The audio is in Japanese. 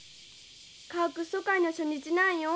家屋疎開の初日なんよ。